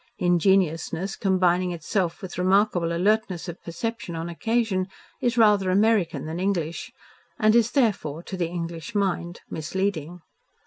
Ingenuousness combining itself with remarkable alertness of perception on occasion, is rather American than English, and is, therefore, to the English mind, misleading.